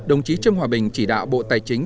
đồng chí trương hòa bình chỉ đạo bộ tài chính